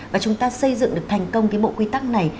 và chúng ta xây dựng được thành công cái bộ quy tắc này